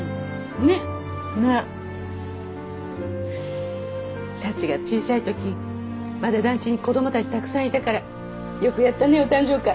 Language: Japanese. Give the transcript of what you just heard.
ねっねっサチが小さいときまだ団地に子どもたちたくさんいたからよくやったねお誕生会